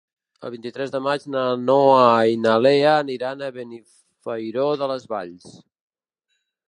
El vint-i-tres de maig na Noa i na Lea aniran a Benifairó de les Valls.